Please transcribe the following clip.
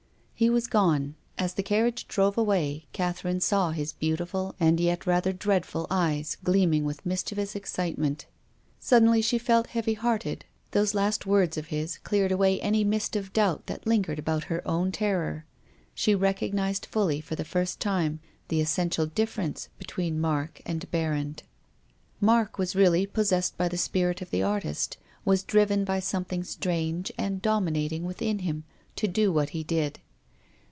He was gone. As the carriage drove away Catherine saw his beautiful, and yet rather dread ful, eyes gleaming with mischievous excitement. Suddenly she felt heavy hearted. Those last words of his cleared away any mist of doubt that lingered about her own terror. She recognised fully for the first time the essential difference between Mark and Berrand. Mark was really possessed by the spirit of the artist, was driven by something strange and dominating within him to do what he did.